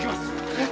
えっ？